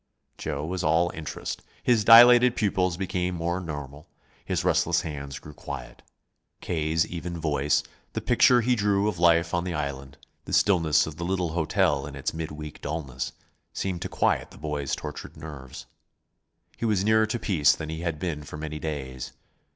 Joe was all interest. His dilated pupils became more normal, his restless hands grew quiet. K.'s even voice, the picture he drew of life on the island, the stillness of the little hotel in its mid week dullness, seemed to quiet the boy's tortured nerves. He was nearer to peace than he had been for many days.